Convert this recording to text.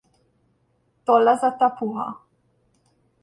Tollazata puha.